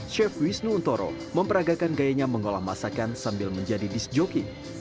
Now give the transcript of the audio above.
chef wisnu untoro memperagakan gayanya mengolah masakan sambil menjadi disc jogging